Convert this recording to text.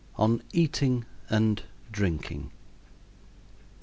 ON EATING AND DRINKING.